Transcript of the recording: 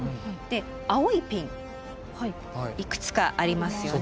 青いピンいくつかありますよね。